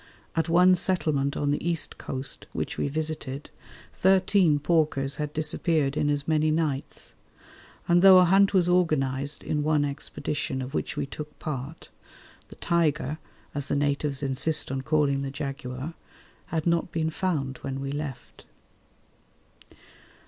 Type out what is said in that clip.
At one settlement on the east coast which we visited, thirteen porkers had disappeared in as many nights, and though a hunt was organised in one expedition of which we took part, the "tiger," as the natives insist on calling the jaguar, had not been found when we left.